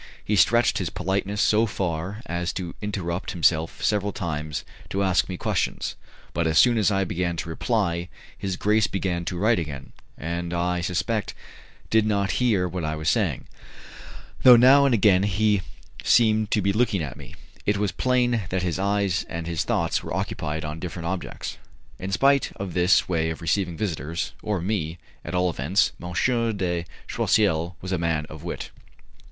He stretched his politeness so far as to interrupt himself several times to ask me questions, but as soon as I began to reply his grace began to write again, and I suspect did not hear what I was saying; and though now and again he seemed to be looking at me, it was plain that his eyes and his thoughts were occupied on different objects. In spite of this way of receiving visitors or me, at all events, M. de Choiseul was a man of wit.